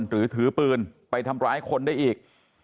หรือถือปืนไปทำร้ายคนได้อีก